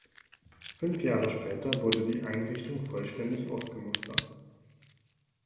Fünf Jahre später wurde die Einrichtung vollständig ausgemustert.